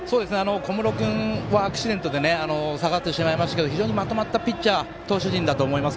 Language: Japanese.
小室君はアクシデントで下がってしまいましたけど非常にまとまった投手陣だと思います。